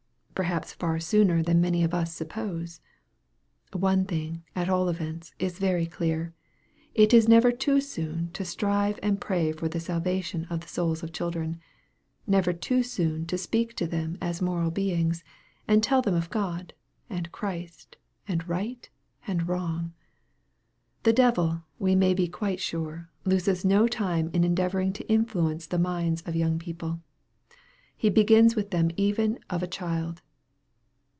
Perhaps far sooner than many of us suppose. One thing, at all events, is very clear : it is never too soon to strive and pray for the salvation of the souls of children never too soon to speak to them as moral beings, and tell them of God, and Christ, and right, and wrong. The devil, we may be quite sure, loses no time in endeavoring to influence the minds of young people. He begins with them even " of a child."